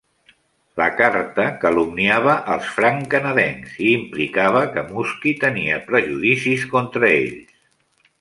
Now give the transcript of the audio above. La carta calumniava als franc-canadencs, i implicava que Muskie tenia prejudicis contra ells.